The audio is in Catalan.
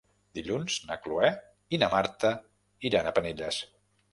Dilluns na Cloè i na Marta iran a Penelles.